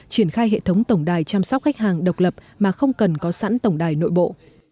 triển khai hệ thống tổng đài chăm sóc khách hàng độc lập mà không cần có sẵn tổng đài nội bộ